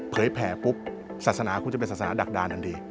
แผลปุ๊บศาสนาคุณจะเป็นศาสนาดักดานอันดี